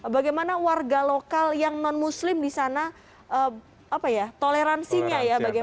bagaimana warga lokal yang non muslim di sana toleransinya ya